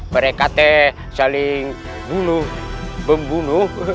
mereka teh saling bunuh membunuh